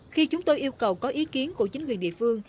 khi chúng tôi yêu cầu có ý kiến của chính quyền địa phương